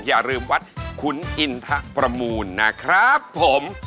อย่าลืมวัดขุนอินทะประมูลนะครับผม